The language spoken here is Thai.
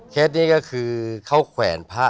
นี้ก็คือเขาแขวนพระ